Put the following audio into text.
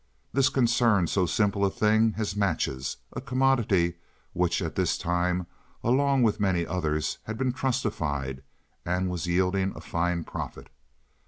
This concerned so simple a thing as matches, a commodity which at this time, along with many others, had been trustified and was yielding a fine profit.